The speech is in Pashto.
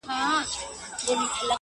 له زلمو شونډو موسكا ده كوچېدلې!.